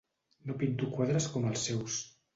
No pinto quadres com els seus.